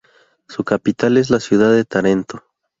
Su capital es la ciudad de Tarento.